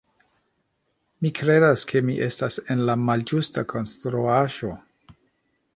Mi kredas ke mi estas en la malĝusta konstruaĵo.